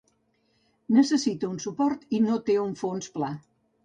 Necessita un suport i no té un fons pla.